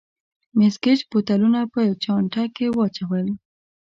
مېس ګېج بوتلونه په چانټه کې واچول.